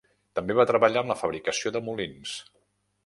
També va treballar en la fabricació de molins.